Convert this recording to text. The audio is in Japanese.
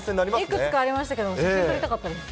いくつかありましたけれども、全部乗りたかったです。